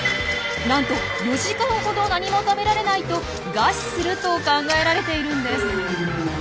なんと４時間ほど何も食べられないと餓死すると考えられているんです。